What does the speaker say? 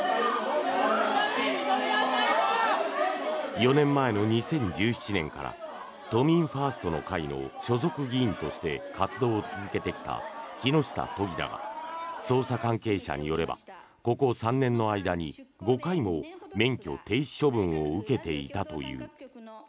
４年前の２０１７年から都民ファーストの会の所属議員として活動を続けてきた木下都議だが捜査関係者によればここ３年の間に５回も免許停止処分を受けていたという。